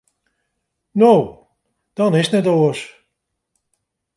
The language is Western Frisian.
No, dan is it net oars.